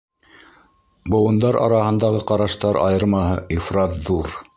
Быуындар араһындағы ҡараштар айырмаһы ифрат ҙур.